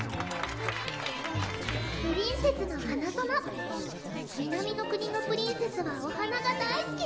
プリンセスのはなぞの「南の国のプリンセスはお花が大好き」